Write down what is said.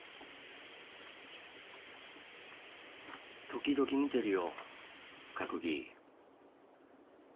時々見てるよ閣議。